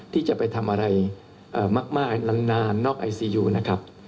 ที่จะไปทำอะไรมากนานนอกไอซียูนะครับ